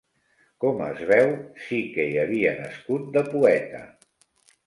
Com es veu, si que hi havia nascut de poeta